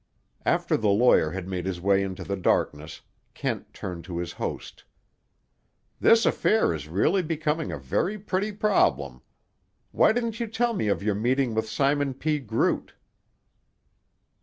After the lawyer had made his way into the darkness, Kent turned to his host. "This affair is really becoming a very pretty problem. Why didn't you tell me of your meeting with Simon P. Groot?"